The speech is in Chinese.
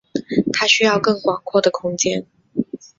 他需要更广阔的空间。